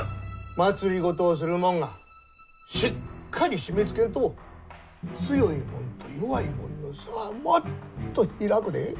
政をするもんがしっかり締め付けんと強いもんと弱いもんの差はもっと開くで。